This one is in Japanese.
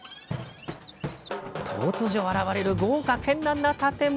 突如現れる、豪華けんらんな建物。